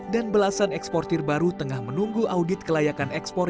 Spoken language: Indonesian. dan belasan eksportir baru tengah menunggu audit kelayakan ekspor